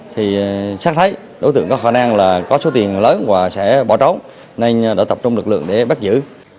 thì xác thấy đối tượng có khả năng là có số tiền lớn và sẽ bỏ trốn nên đã tập trung lực lượng để bắt giữ